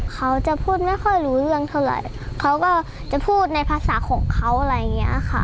เขาจะพูดไม่ค่อยรู้เรื่องเท่าไหร่เขาก็จะพูดในภาษาของเขาอะไรอย่างเงี้ยค่ะ